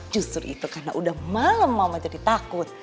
justru itu karena udah malam mama jadi takut